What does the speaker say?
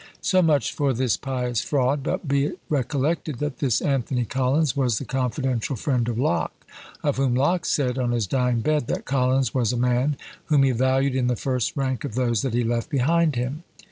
So much for this pious fraud! but be it recollected that this Anthony Collins was the confidential friend of Locke, of whom Locke said, on his dying bed, that "Collins was a man whom he valued in the first rank of those that he left behind him."